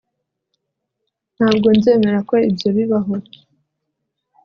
ntabwo nzemera ko ibyo bibaho